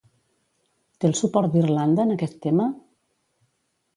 Té el suport d'Irlanda en aquest tema?